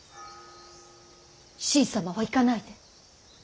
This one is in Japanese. しい様は行かないで。